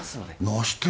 なして？